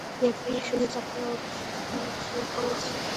Нет, я еще не забыла твой голос.